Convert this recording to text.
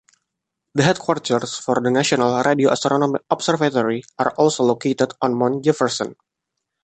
The headquarters for the National Radio Astronomy Observatory are also located on Mount Jefferson.